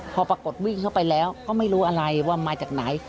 พอปรากฏวิ่งเข้าไปแล้วก็ไม่รู้อะไรว่ามาจากไหน